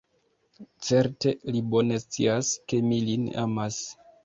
Certe li bone scias, ke mi lin amas.